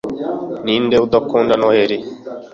ninde udakunda noheri